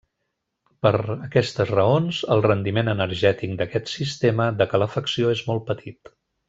Per aquestes raons el rendiment energètic d'aquest sistema de calefacció és molt petit.